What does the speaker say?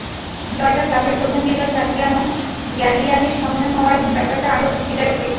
জয়টা ক্লাবের প্রধান নির্বাহী আদ্রিয়ানো গ্যাল্লিয়ানির সামনে হওয়ায় ব্যাপারটা আরও তৃপ্তিদায়ক ঠেকছে।